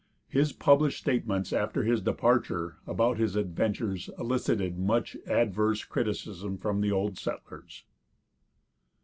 His published statements after his departure about his adventures elicited much adverse criticism from the old settlers.